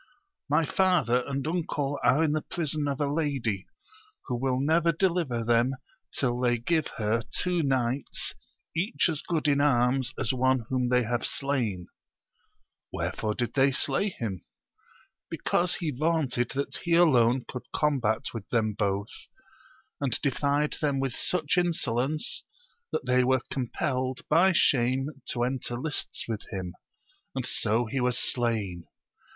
— My father and uncle are in the prison of a lady, who will never deliver them till they give her two knights each as good in arms as one whom they have slain. Wherefore did they slay him ? Because ha ^^sa^ that he alone could combat wit\i\3[veiai\i^>3si^«eL\^ VOL, I. VL 178 AMADIS OF GAUL, them with such insolence, that they were compelled by shame to enter lists with him, and so he was slain.